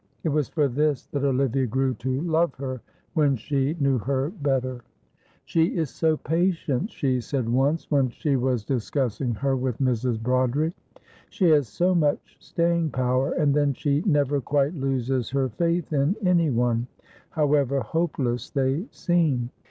It was for this that Olivia grew to love her when she knew her better. "She is so patient," she said once when she was discussing her with Mrs. Broderick. "She has so much staying power, and then she never quite loses her faith in anyone, however hopeless they seem.